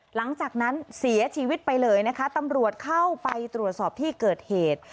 หลังจากนั้นเสียชีวิตไปเลยนะคะตำรวจเข้าไปตรวจสอบที่เกิดเหตุ